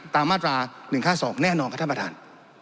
ตามมาตรา๑๕๒แน่นอนครับท่านประธาน